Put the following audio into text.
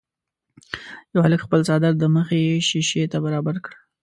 یوه هلک خپل څادر د مخې شيشې ته برابر کړ.